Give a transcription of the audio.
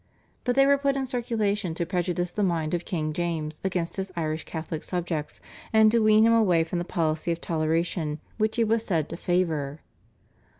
But they were put in circulation to prejudice the mind of King James against his Irish Catholic subjects, and to wean him away from the policy of toleration which he was said to favour.